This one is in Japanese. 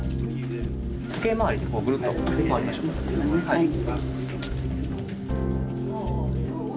はい。